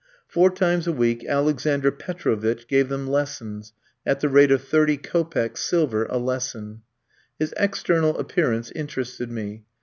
Four times a week Alexander Petrovitch gave them lessons, at the rate of thirty kopecks silver a lesson. His external appearance interested me.